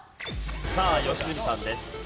さあ吉住さんです。